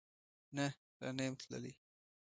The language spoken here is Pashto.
نه، لا نه یم تللی